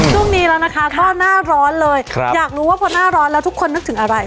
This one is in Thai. ช่วงนี้แล้วนะคะก็หน้าร้อนเลยอยากรู้ว่าพอหน้าร้อนแล้วทุกคนนึกถึงอะไร